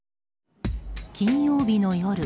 金曜日の夜。